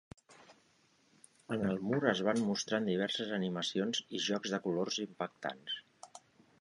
En el mur es van mostrant diverses animacions i jocs de colors impactants.